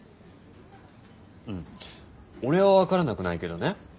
うん俺は分からなくないけどね